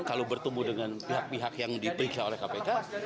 kalau bertemu dengan pihak pihak yang diperiksa oleh kpk